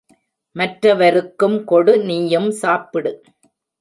மற்றவருக்கும் கொடு நீயும் சாப்பிடு.